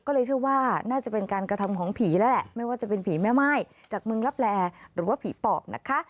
ก็เลยเชื่อว่าน่าจะเป็นการกระทำของผีแล้วแหละไม่ว่าจะเป็นผีแม่ม่ายจากเมืองลับแลหรือว่าผีปอบนะคะ